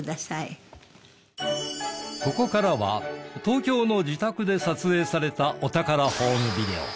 ここからは東京の自宅で撮影されたお宝ホームビデオ。